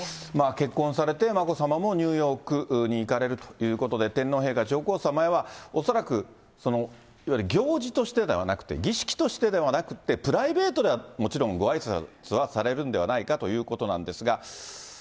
結婚されて、眞子さまもニューヨークに行かれるということで、天皇陛下、上皇さまへは恐らく、いわゆる行事としてではなくて、儀式としてではなくって、プライベートではもちろんごあいさつはされるんではないかということなんですが。